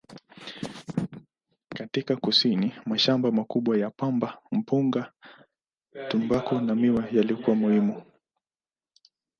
Katika kusini, mashamba makubwa ya pamba, mpunga, tumbaku na miwa yalikuwa muhimu.